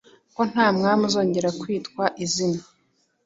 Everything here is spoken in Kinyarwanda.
ko nta mwami uzongera kwitwa izina